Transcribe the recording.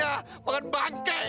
aduh apaan tuh ini